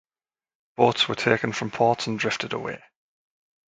Boats were taken from ports and drifted away.